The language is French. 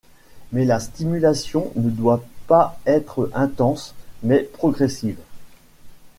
Mais la stimulation ne doit pas être intense mais progressive.